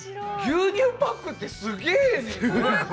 牛乳パックってすげえねんな。